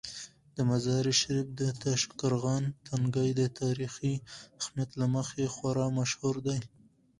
د مزار شریف د تاشقرغان تنګي د تاریخي اهمیت له مخې خورا مشهور دی.